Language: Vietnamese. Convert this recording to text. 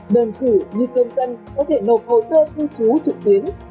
đồng cử nguy cơm dân có thể nộp hồ sơ cư trú trực tuyến